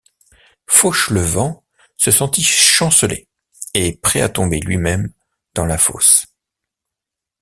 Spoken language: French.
Fauchelevent se sentit chanceler et prêt à tomber lui-même dans la fosse.